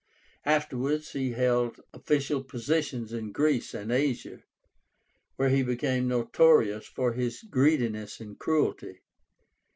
Afterwards he held official positions in Greece and Asia, where he became notorious for his greediness and cruelty.